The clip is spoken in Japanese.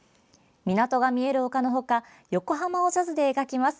「港が見える丘」のほか横浜をジャズで描きます。